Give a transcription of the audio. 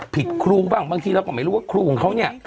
ผิดครูป์บ้างบางทีแล้วก็ไม่รู้ว่าครูของเขาเนี้ย